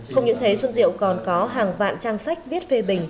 không những thế xuân diệu còn có hàng vạn trang sách viết phê bình